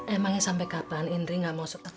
emangnya sampai kapan indri gak mau sekolah lagi